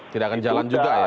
tidak akan jalan juga ya